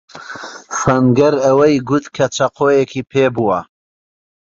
سەنگەر ئەوەی گوت کە چەقۆیەکی پێبووە.